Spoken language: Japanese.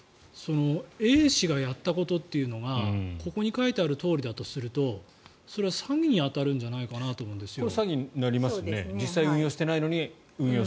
Ａ氏がやったことというのがここに書いてあるとおりだとするとそれは詐欺に当たるんじゃないかなと思うんですよ。